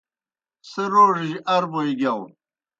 سہ روڙِجیْ ارّ بوئے گِیاؤ۔